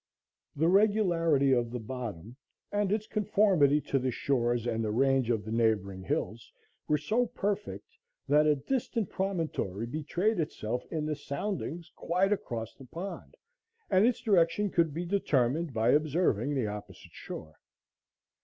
The regularity of the bottom and its conformity to the shores and the range of the neighboring hills were so perfect that a distant promontory betrayed itself in the soundings quite across the pond, and its direction could be determined by observing the opposite shore.